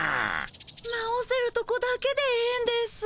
直せるとこだけでええんです。